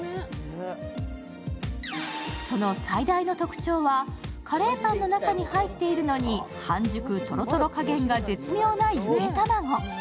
その最大の特徴はカレーパンの中に入っているのに半熟とろとろ加減が絶妙なゆで卵。